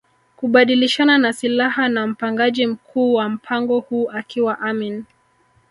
kubadilishana na silaha na mpangaji mkuu wa mpango huu akiwa Amin